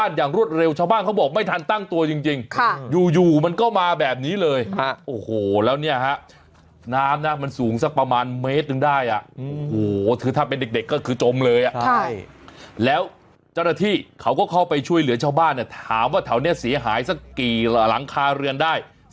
แล้วเนี่ยฮะแล้วเจ้าหน้าที่เขาก็เข้าไปช่วยเหลือชาวบ้านเนี่ยถามว่าแถวนี้เสียหายสักกี่หลังคาเรือนได้